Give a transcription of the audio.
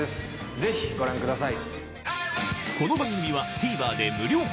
ぜひご覧ください。